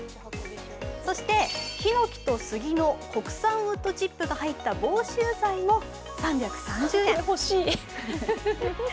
そして、ヒノキとスギの国産ウッドチップが入った防臭剤も３３０円。